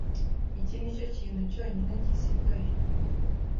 Iki nicyo kintu cyonyine cyari gisigaye.